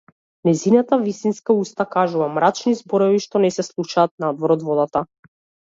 Нејзината вистинска уста кажува мрачни зборови што не се слушаат надвор од водата.